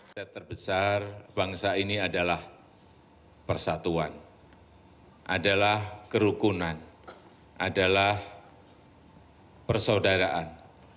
saya terbesar bangsa ini adalah persatuan adalah kerukunan adalah persaudaraan